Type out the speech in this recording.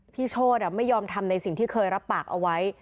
โชธไม่ยอมทำในสิ่งที่เคยรับปากเอาไว้